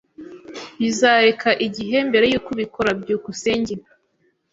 Bizareka igihe mbere yuko ubikora. byukusenge